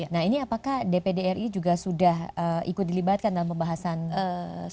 nah ini apakah dpd ri juga sudah ikut dilibatkan dalam pembahasan soal ini